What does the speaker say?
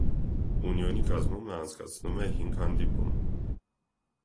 «Ունիոնի» կազմում նա անցկացնում է հինգ հանդիպում։